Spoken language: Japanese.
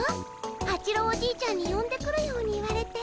八郎おじいちゃんによんでくるように言われて。